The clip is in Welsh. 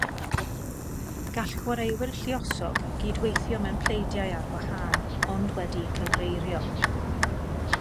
Gall chwaraewyr lluosog gydweithio mewn pleidiau ar wahân ond wedi'u cynghreirio.